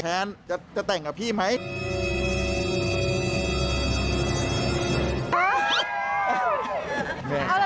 แม่แม่แม่แม่แม่แม่แม่แม่แม่แม่แม่